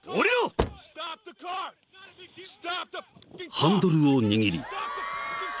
［ハンドルを握り］